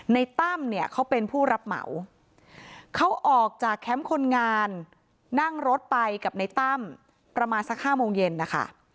ตั้มเนี่ยเขาเป็นผู้รับเหมาเขาออกจากแคมป์คนงานนั่งรถไปกับในตั้มประมาณสัก๕โมงเย็นนะคะ